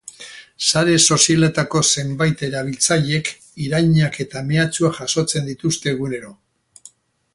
Sare sozialetako zenbait erabiltzailek irainak eta mehatxuak jasotzen dituzte egunero.